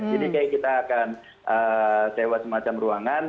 jadi kayak kita akan sewa semacam ruangan